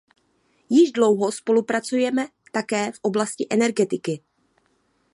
Již dlouho spolupracujeme také v oblasti energetiky.